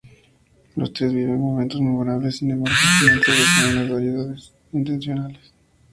Los tres viven momentos memorables, sin embargo al final sobresalen las verdaderas intenciones.